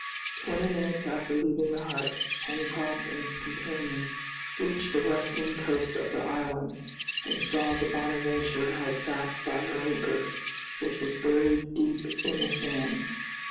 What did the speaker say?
Twenty minutes after leaving the hut Pencroft and his companions reached the western coast of the island, and saw the "Bonadventure" held fast by her anchor, which was buried deep in the sand.